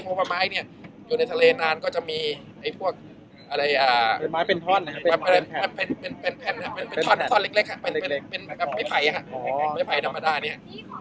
โคะปะไม้อยู่ในทะเลนานก็จะมีไม้ผันเล็กไม้ไผนรอบนี้